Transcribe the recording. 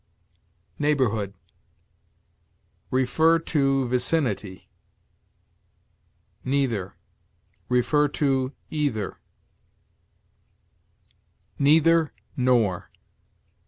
NEIGHBORHOOD. See VICINITY. NEITHER. See EITHER. NEITHER NOR.